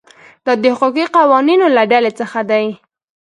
دا د حقوقي قوانینو له ډلې څخه دي.